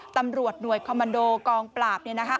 ตำรวจหน่วยคอมมันโดกองปราบเนี่ยนะคะ